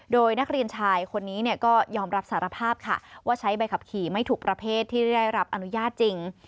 โดยนักเรียนชายคนนี้ก็ยอมรับสารภาพค่ะว่าใช้ใบขับขี่ไม่ถูกประเภทที่ได้รับอนุญาตจริง